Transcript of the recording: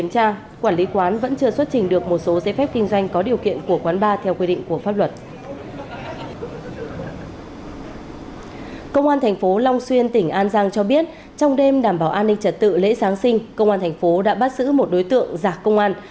công an thành phố long xuyên tỉnh an giang cho biết trong đêm đảm bảo an ninh trật tự lễ giáng sinh công an thành phố đã bắt giữ một đối tượng giả công an